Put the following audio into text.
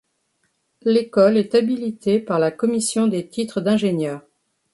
L'école est habilitée par la Commission des Titres d'Ingénieur.